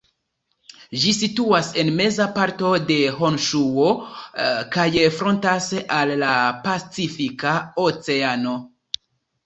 Ĝi situas en meza parto de Honŝuo kaj frontas al la Pacifika Oceano.